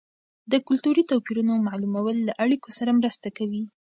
د کلتوري توپیرونو معلومول له اړیکو سره مرسته کوي.